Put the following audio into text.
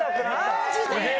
マジで？